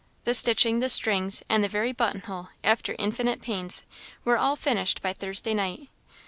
The stitching, the strings, and the very buttonhole, after infinite pains, were all finished by Thursday night.